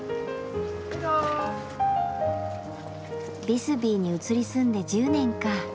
ビスビーに移り住んで１０年か。